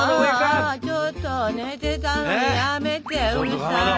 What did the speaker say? ちょっと寝てたのにやめてうるさい。